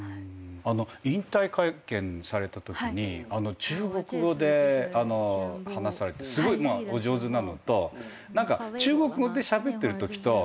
引退会見されたときに中国語で話されてすごいお上手なのと中国語でしゃべってるときとキャラ変わりません？